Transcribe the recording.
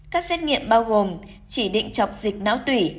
các xét nghiệm bao gồm chỉ định chọc dịch náo tủy